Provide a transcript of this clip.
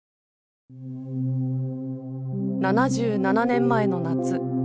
７７年前の夏。